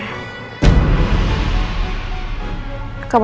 aku mau ke rumah